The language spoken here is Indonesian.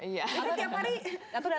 jadi tiap hari bisa punya